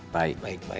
baik baik baik